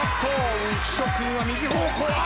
浮所君は右方向。